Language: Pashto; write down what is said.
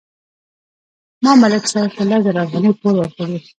ما ملک صاحب ته لس زره افغانۍ پور ورکړې.